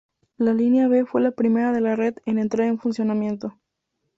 La línea B fue la primera de la red en entrar en funcionamiento.